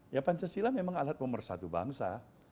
ya pancasila memang alat pemersatu bangsa